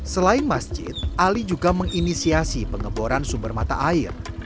selain masjid ali juga menginisiasi pengeboran sumber mata air